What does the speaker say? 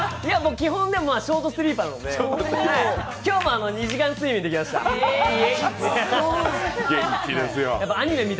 基本僕、ショートスリーパーなので、今日も２時間睡眠で来ました。